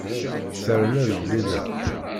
Terna Leblida.